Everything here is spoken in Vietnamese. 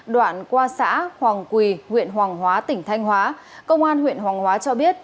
đoạn qua xã hoàng quỳ huyện hoàng hóa tỉnh thanh hóa công an huyện hoàng hóa cho biết